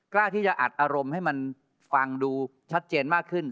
กล้าที่จะอัดอารมณ์ให้มันฟังดูชัดเจนมากขึ้น